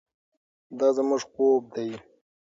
دا زموږ خوب دی.